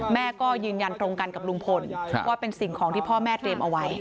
แม่ก็ยืนยันตรงกันกับลุงพลว่าเป็นสิ่งของที่พ่อแม่เตรียมเอาไว้